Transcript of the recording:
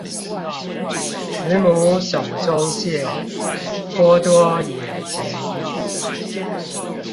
慈母手中線，波多野結衣